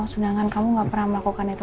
sedangkan kamu gak pernah melakukan itu